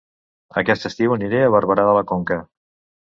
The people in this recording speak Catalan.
Aquest estiu aniré a Barberà de la Conca